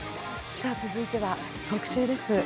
続いては特集です。